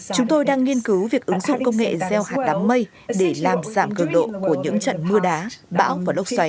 chúng tôi đang nghiên cứu việc ứng dụng công nghệ gieo hạt đám mây để làm giảm cường độ của những trận mưa đá bão và lốc xoáy